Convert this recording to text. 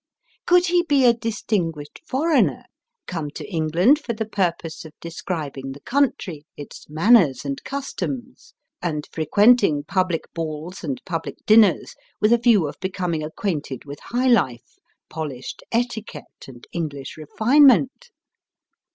Could he be a distinguished foreigner, come to England for the purpose of describing the country, its manners and customs ; and frequenting public balls and public dinners, with the view of becoming acquainted with high life, polished etiquette, and English refinement?